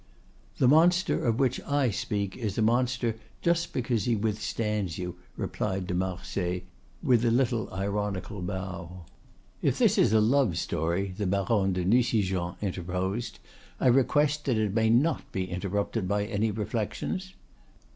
"The monster of which I speak is a monster just because he withstands you," replied de Marsay, with a little ironical bow. "If this is a love story," the Baronne de Nucingen interposed, "I request that it may not be interrupted by any reflections."